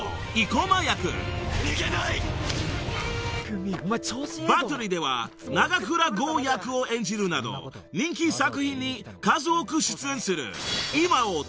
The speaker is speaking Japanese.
「逃げない」［『バッテリー』では永倉豪役を演じるなど人気作品に数多く出演する］